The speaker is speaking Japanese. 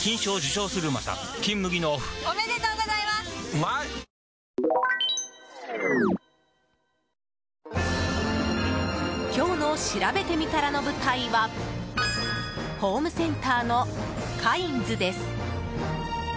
週末は今日のしらべてみたらの舞台はホームセンターのカインズです。